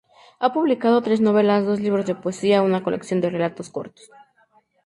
Ha publicado tres novelas, dos libros de poesía, una colección de relatos cortos.